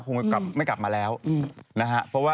กลับไม่กลับมาแล้วนะฮะ